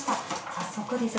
早速ですが。